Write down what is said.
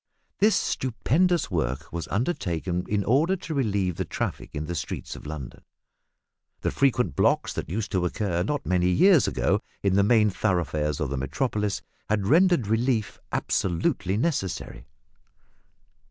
This stupendous work was undertaken in order to relieve the traffic in the streets of London. The frequent blocks that used to occur not many years ago in the main thoroughfares of the Metropolis, had rendered relief absolutely necessary.